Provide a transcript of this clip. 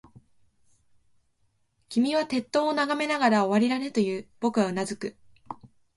君は鉄塔を眺めながら、終わりだね、と言う。僕はうなずく。